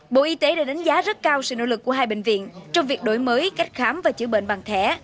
bộ y tế đã đánh giá rất cao sự nỗ lực của hai bệnh viện trong việc đổi mới cách khám và chữa bệnh bằng thẻ